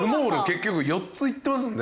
結局４ついってますんで。